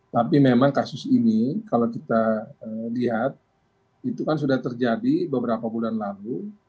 tapi memang kasus ini kalau kita lihat itu kan sudah terjadi beberapa bulan lalu